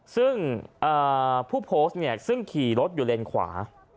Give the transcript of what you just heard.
ซึ่งผู้โพสต์เนี่ยซึ่งขี่รถอยู่เลนขวา